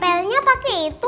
pelitnya pake itu